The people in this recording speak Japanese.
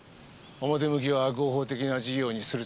表向きは合法的な事業にするつもりだ。